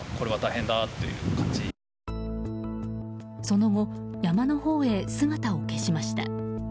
その後、山のほうへ姿を消しました。